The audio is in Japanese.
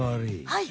はい！